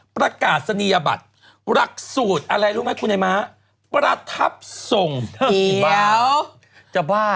ประกาศนียบัตรหลักสูตรอะไรรู้ไหมคุณไอ้ม้าประทับส่งผีบ้าจะบ้า